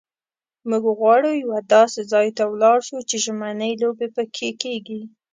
موږ غواړو یوه داسې ځای ته ولاړ شو چې ژمنۍ لوبې پکښې کېږي.